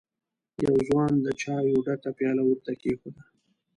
يوه ځوان د چايو ډکه پياله ور ته کېښوده.